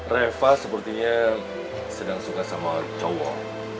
reva sepertinya sedang suka sama cowok